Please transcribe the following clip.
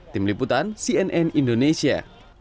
tim liputan cnn indonesia